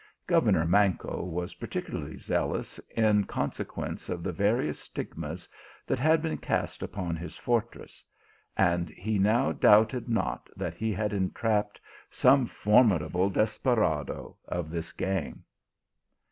Governor Manco was particularly zealous, in consequence of the various stigmas that had been cast upon his fortress, and he now doubted not that he had entrapped some formidable desperado of this gang.